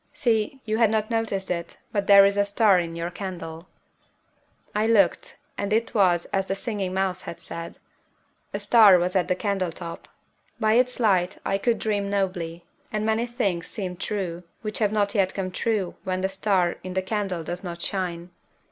See, you had not noticed it, but there is a star in your candle." I looked, and it was as the Singing Mouse had said. A star was at the candle top. By its light I could dream nobly, and many things seemed true which have not yet come true when the star in the candle does not shine.